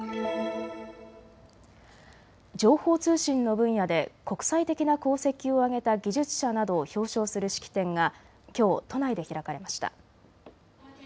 情報通信の分野で国際的な功績をあげた技術者などを表彰する式典がきょう都内で開かれました。